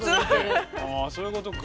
ああそういうことか。